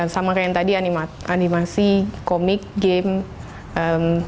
sama kayak yang tadi animasi komik game